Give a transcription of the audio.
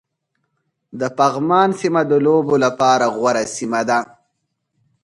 د پغمان سيمه د لوبو لپاره غوره سيمه ده